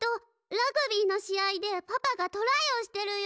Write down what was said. ラグビーのし合でパパがトライをしてる夢。